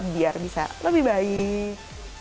biar bisa lebih baik